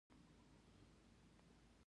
درناوی د فرد شخصیت لوړوي او ارزښت ورکوي.